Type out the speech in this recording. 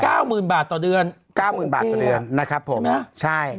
เก้ามือนบาทต่อเดือนเก้ามือนบาทต่อเดือนนะครับผมใช่ไหมใช่